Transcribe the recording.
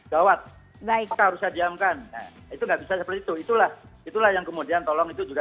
gawat baik harusnya diamkan nah itu nggak bisa seperti itu itulah itulah yang kemudian tolong itu juga